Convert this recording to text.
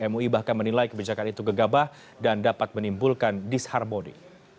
mui bahkan menilai kebijakan itu gegabah dan dapat menimbulkan disharmoni